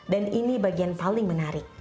dan ini bagian paling menarik